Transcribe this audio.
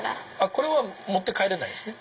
これは持って帰れないんですね。